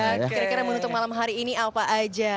kira kira menutup malam hari ini apa aja